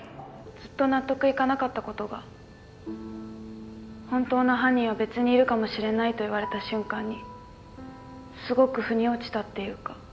ずっと納得いかなかったことが本当の犯人は別にいるかもしれないと言われた瞬間にすごくふに落ちたっていうか。